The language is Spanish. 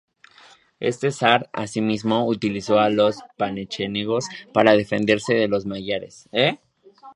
Este zar, asimismo, utilizó a los pechenegos para defenderse de los magiares.